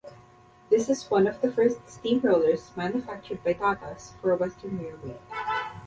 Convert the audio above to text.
This is one of the first steam rollers manufactured by Tatas for Western Railway.